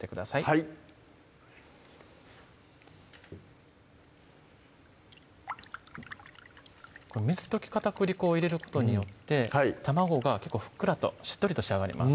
はい水溶き片栗粉を入れることによって卵が結構ふっくらとしっとりと仕上がります